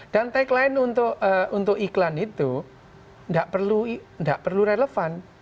dan tagline untuk iklan itu nggak perlu relevan